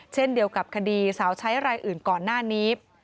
เช่นเดียวกับคดีสาวใช้รายอื่นก่อนหน้านี้